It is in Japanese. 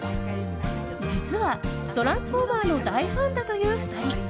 実は「トランスフォーマー」の大ファンだという２人。